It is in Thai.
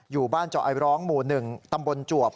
อยู่บ้านเจาะไอร้องหมู่๑ตำบลจวบ